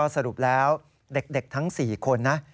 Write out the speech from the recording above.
สรุปแล้วเด็กทั้ง๔คนนะ